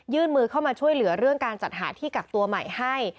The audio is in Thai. มือเข้ามาช่วยเหลือเรื่องการจัดหาที่กักตัวใหม่ให้